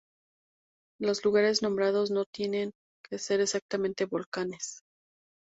Los lugares nombrados no tienen que ser exactamente volcanes.